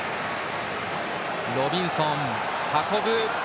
ロビンソン、運ぶ！